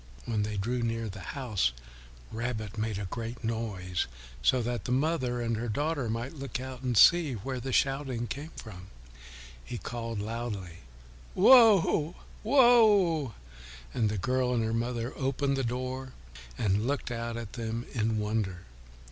When they drew near the house, Rabbit made a great noise so that the mother and her daughter might look out to see where the shouting came from. He called loudly, "Whoa, Whoa." And the girl and her mother opened the door and looked out at them in wonder.